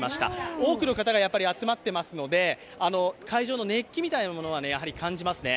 多くの方が集まっていますので会場の熱気みたいなものは感じますね。